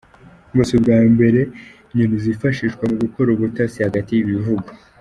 Ngo si ubwa mbere inyoni zifashishwa mu gukora ubutasi hagati y’ibi bihugu.